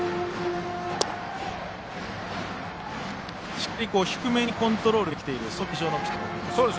しっかり低めにコントロールできているそういった印象のピッチャー。